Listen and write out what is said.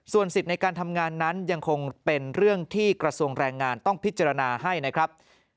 ส่วนสิทธิ์ในการทำงานนั้นยังคงเป็นเรื่องที่กระทรวงแรงงานต้องพิจารณาให้นะครับ